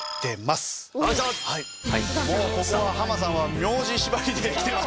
ここはハマさんは名字縛りできてます。